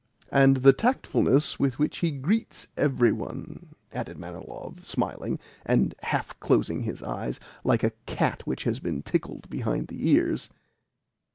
"And the tactfulness with which he greets every one!" added Manilov, smiling, and half closing his eyes, like a cat which is being tickled behind the ears.